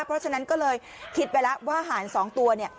เพราะฉะนั้นก็เลยคิดไปแล้วว่าหาร๒ตัวเนี่ย